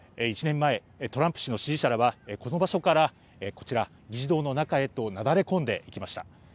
１年前、トランプ氏の支持者らはこの場所からこちら議事堂の中へとなだれ込んできました。